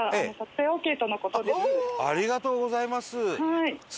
店員：ありがとうございます。